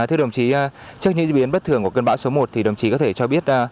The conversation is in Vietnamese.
thưa đồng chí trước những diễn biến bất thường của cơn bão số một thì đồng chí có thể cho biết